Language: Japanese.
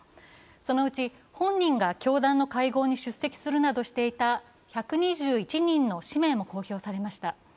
そのうち本人が教団の会合に出席するなどしていた１２１人の氏名も公表されました。